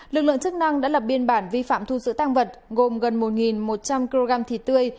lực lượng chức năng đã lập biên bản vi phạm thu giữ tăng vật gồm gần một một trăm linh kg thịt tươi